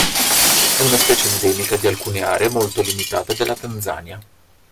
È una specie endemica di alcune aree molto limitate della Tanzania.